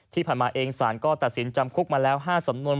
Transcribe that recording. ที่ผ่านมาเองสารก็ตัดสินจำคุกมาแล้ว๕สำนวน